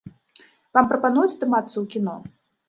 Вам прапануюць здымацца ў кіно?